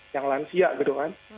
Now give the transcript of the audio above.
yang lansia gitu kan